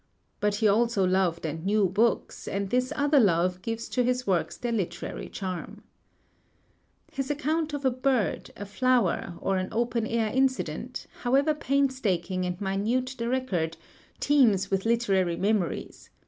But he also loved and knew books, and this other love gives to his works their literary charm. His account of a bird, a flower, or an open air incident, however painstaking and minute the record, teems with literary memories.